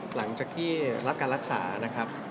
หลังจากที่รับการรักษานะครับ